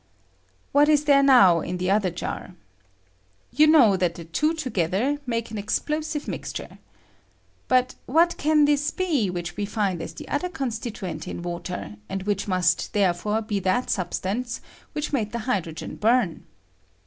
] hat is there now in the other jar? You know L diat the two together made an explosive mix I 108 OXYGrEN FROM WATEK. tare. But what can this be whicli we &n.A be the other coDstitueot in water, and whicli must therefore be that eubatance which made the hydrogen bum ?